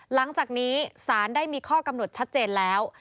หลังจากนี้สารได้มีข้อกำหนดชัดเจนแล้ว